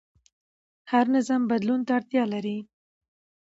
هر نظام بدلون ته اړتیا لري